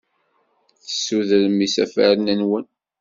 Tessudrem isafaren-nwen?